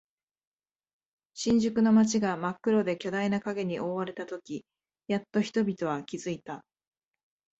新宿の街が真っ黒で巨大な影に覆われたとき、やっと人々は気づいた。